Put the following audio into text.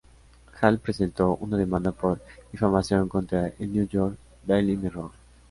Hall presentó una demanda por difamación contra el New York Daily Mirror.